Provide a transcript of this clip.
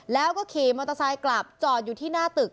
แล้วก็ขี่มอเตอร์ไซค์กลับจอดอยู่ที่หน้าตึก